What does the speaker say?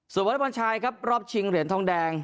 วอเล็กบอลชายครับรอบชิงเหรียญทองแดง